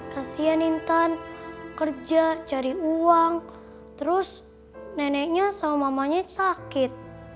kasian intan kerja cari uang terus neneknya sama mamanya sakit